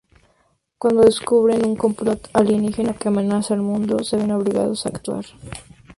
Cuando descubren un complot alienígena que amenaza al mundo, se ven obligados a actuar.